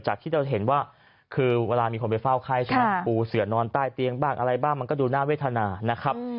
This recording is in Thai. ที่เราเห็นว่าคือเวลามีคนไปเฝ้าไข้ใช่ไหมปูเสือนอนใต้เตียงบ้างอะไรบ้างมันก็ดูน่าเวทนานะครับ